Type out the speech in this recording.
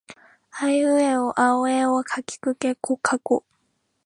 あえいうえおあおかけきくけこかこ